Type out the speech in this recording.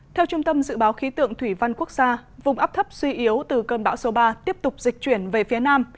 theo trung tâm dự báo khí tượng thủy văn quốc gia vùng áp thấp suy yếu từ cơn bão số ba tiếp tục dịch chuyển về phía nam